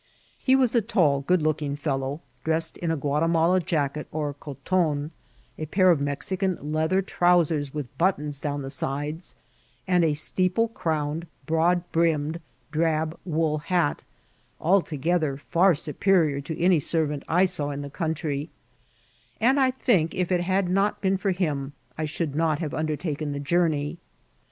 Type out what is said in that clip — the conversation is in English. He was a tall, good looking fellow, dressed in a GKiatimala jacket or coton, a pair of Mexican leath er trousers, with buttons down the sides, and a steeple* crowned, broad brimmed, drab wool hat, altogether fSeir superior to any servant I saw in the country; and I think if it had not been for him I should not have un dertaken the journey.